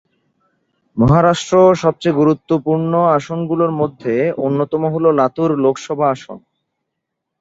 মহারাষ্ট্র সবচেয়ে গুরুত্বপূর্ণ আসনগুলির মধ্যে অন্যতম হল লাতুর লোকসভা আসন।